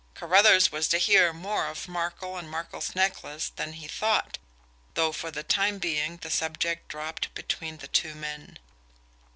Carruthers was to hear more of Markel and Markel's necklace than he thought, though for the time being the subject dropped between the two men.